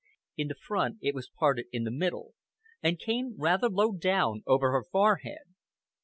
In the front it was parted in the middle, and came rather low down over her forehead.